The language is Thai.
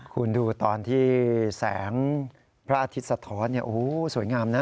คุณดูตอนที่แสงพระอาทิตย์สะท้อนสวยงามนะ